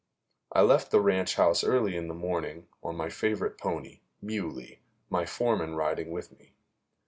I left the ranch house early in the afternoon on my favorite pony, Muley, my foreman riding with me.